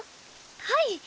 はい。